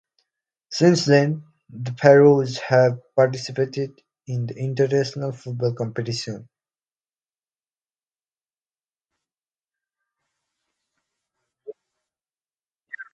Since then the Faroes have participated in international football competitions.